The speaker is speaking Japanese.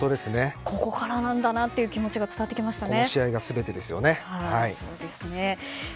ここからなんだなという気持ちが伝わってきましたね。